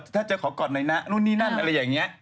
ถ้าจะขอก่อนหน่อยนะนู่นนี่นั่นอะไรอย่างนี้